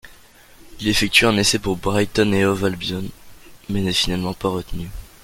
Il effectue un essai pour Brighton & Hove Albion mais n'est finalement pas retenu.